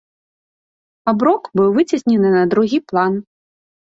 Аброк быў выцеснены на другі план.